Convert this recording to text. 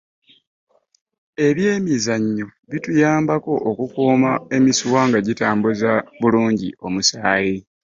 eby'emizannyo bituyambako okukuma emisuwa nga gitambuza bulungi omusaayi